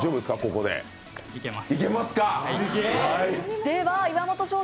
いけます。